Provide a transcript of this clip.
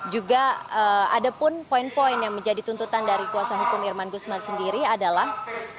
juga ada pun poin poin yang menjadi tuntutan dari kuasa hukum irman gusman sendiri adalah